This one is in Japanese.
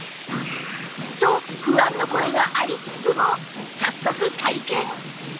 と不安の声がありつつも早速体験